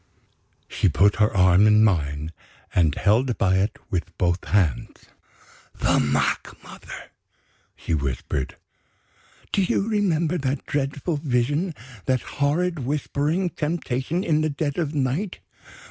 She put her arm in mine, and held by it with both hands. "The mock mother!" she whispered. "Do you remember that dreadful Vision, that horrid whispering temptation in the dead of night?